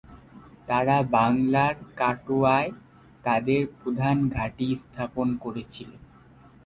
তারা বাংলার কাটোয়ায় তাদের প্রধান ঘাঁটি স্থাপন করেছিল।